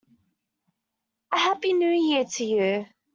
A happy New Year to you!